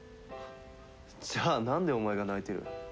じゃあなんでお前が泣いてる？